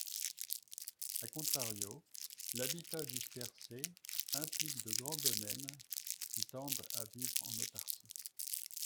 A contrario, l'habitat dispersé implique de grands domaines qui tendent à vivre en autarcie.